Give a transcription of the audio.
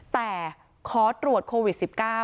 แต่ขอตรวจโควิด๑๙